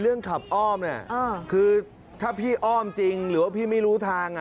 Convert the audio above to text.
เรื่องขับอ้อมเนี่ยคือถ้าพี่อ้อมจริงหรือว่าพี่ไม่รู้ทาง